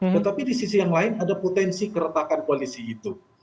tetapi di sisi yang lain ada potensi keretakan koalisi itu